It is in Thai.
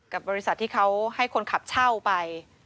กับบริษัทที่เขาให้คนขับเช่าไป